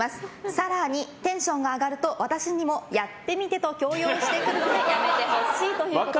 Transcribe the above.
更に、テンションが上がると私にも、やってみてと強要してくるのでやめてほしいということです。